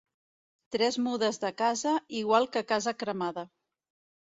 Tres mudes de casa, igual que casa cremada.